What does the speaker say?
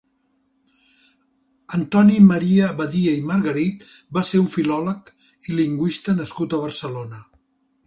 Antoni Maria Badia i Margarit va ser un filòleg i lingüista nascut a Barcelona.